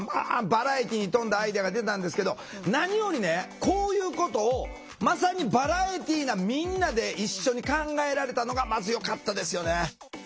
バラエティーに富んだアイデアが出たんですけど何よりねこういうことをまさにバラエティーなみんなで一緒に考えられたのがまずよかったですよね。